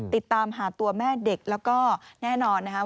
ติดตามหาตัวแม่เด็กแล้วก็แน่นอนนะครับ